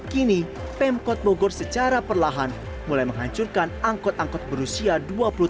kini pemkot bogor secara perlahan mulai menghancurkan angkot angkot berusia dua puluh tahun